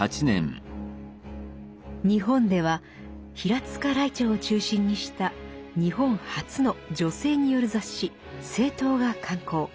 日本では平塚らいてうを中心にした日本初の女性による雑誌「青鞜」が刊行。